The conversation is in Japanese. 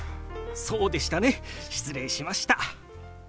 そうでしたね失礼しました。